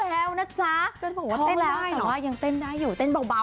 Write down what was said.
เต้นได้หรอแต่ว่ายังเต้นได้อยู่เต้นเบา